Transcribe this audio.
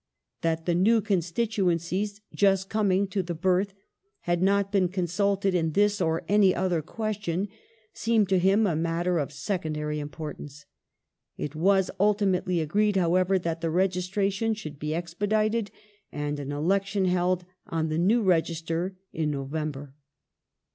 That the new constituencies, just coming to the birth, had not been consulted on this or any other question, seemed to him a matter of secondary importance. It was ultimately agreed, however, that the registration should be expedited and an election held on the new register in November.